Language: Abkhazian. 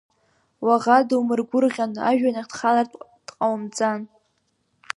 Уаӷа думыргәырӷьан, ажәҩанахь дхалартә дҟаумҵан.